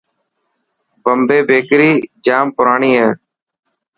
بمبي بيڪر جام پراڻي هي.